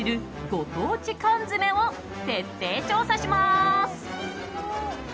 ご当地缶詰を徹底調査します！